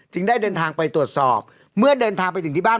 ได้เดินทางไปตรวจสอบเมื่อเดินทางไปถึงที่บ้าน